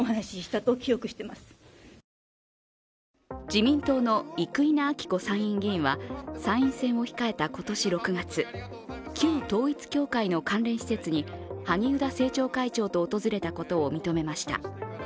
自民党の生稲晃子参院議員は、参院選を控えた今年６月、旧統一教会の関連施設に萩生田政調会長と訪れたことを認めました。